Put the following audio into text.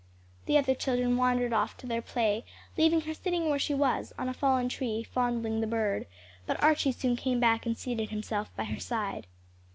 The other children wandered off to their play leaving her sitting where she was, on a fallen tree, fondling the bird; but Archie soon came back and seated himself by her side.